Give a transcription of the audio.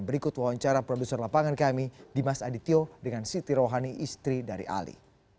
berikut wawancara produser lapangan kami dimas adityo dengan siti rohani istri dari ali